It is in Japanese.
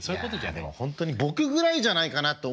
いやでも本当に僕ぐらいじゃないかなって思うんですよ。